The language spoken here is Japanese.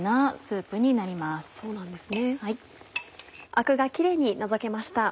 アクがキレイに除けました。